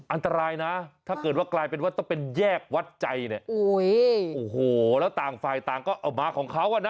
อันตรายนะถ้าเกิดว่ากลายเป็นว่าต้องเป็นแยกวัดใจเนี่ยโอ้โหแล้วต่างฝ่ายต่างก็เอามาของเขาอ่ะนะ